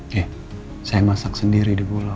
ya saya masak sendiri di pulau